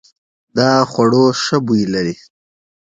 دا خوړو ښه بوی لري.